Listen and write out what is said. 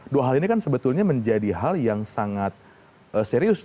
dua hal ini kan sebetulnya menjadi hal yang sangat serius